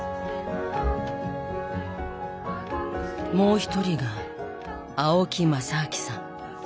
もう１人が青木正明さん。